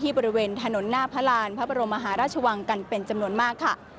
บริเวณถนนหน้าพระราณพระบรมมหาราชวังกันเป็นจำนวนมากค่ะ